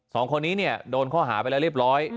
สองคนนี้เนี่ยโดนข้อหาไปแล้วเรียบร้อย